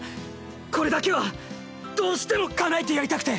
これだけはどうしてもかなえてやりたくて。